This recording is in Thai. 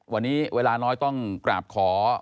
วันนี้เวลาน้อยต้องกราบขอ